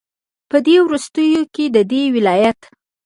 په دې وروستيو كې ددې ولايت